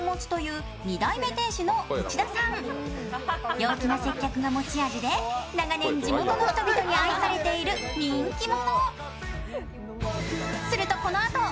陽気な接客が持ち味で、長年、地元の人々に愛されている人気者。